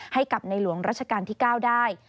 ให้กับในหลวงรัชกาลที่๙ได้